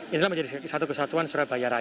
inilah menjadi satu kesatuan surabaya raya